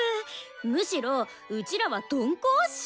むしろうちらは鈍行っしょ？